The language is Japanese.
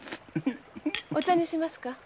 お茶にしますか？